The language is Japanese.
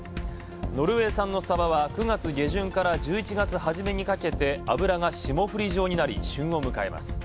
ノルウェー産のサバは９月下旬から１１月はじめにかけて脂が霜降り状になり旬を迎えます。